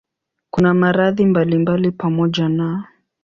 Kuna maradhi mbalimbali pamoja na